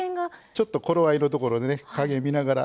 ちょっと頃合いのところでね加減見ながら。